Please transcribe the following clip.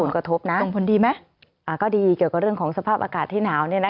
ก็ดีเกี่ยวกับเรื่องของสภาพอากาศที่หนาว